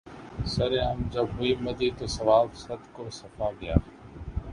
سر عام جب ہوئے مدعی تو ثواب صدق و صفا گیا